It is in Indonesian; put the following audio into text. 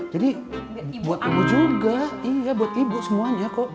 jadi buat ibu juga iya buat ibu semuanya kok